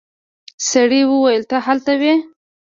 سړي وويل ته هلته وې.